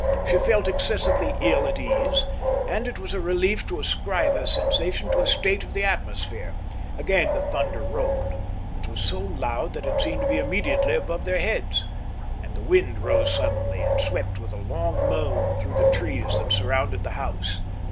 She felt excessively ill at ease, and it was a relief to ascribe her sensation to a state of the atmosphere. Again the thunder rolled. It was so loud that it seemed to be immediately above their heads. And the wind rose suddenly and swept with a long moan through the trees that surrounded the house.